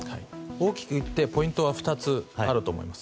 大きく言ってポイントは２つあると思います。